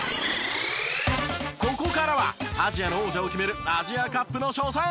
ここからはアジアの王者を決めるアジアカップの初戦。